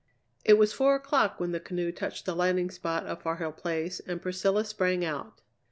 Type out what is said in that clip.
It was four o'clock when the canoe touched the landing spot of Far Hill Place, and Priscilla sprang out.